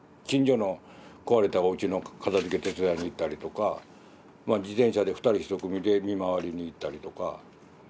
近所の壊れたおうちの片づけ手伝いに行ったりとか自転車で二人一組で見回りに行ったりとか。